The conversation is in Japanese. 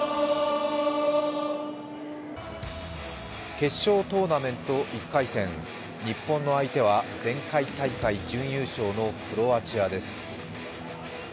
決勝トーナメント１回戦、日本の相手は前回大会準優勝のクロアチアです。